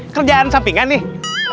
kerjaan sampingan nih